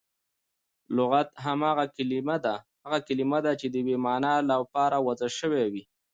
لغت هغه کلیمه ده، چي د یوې مانا له پاره وضع سوی وي.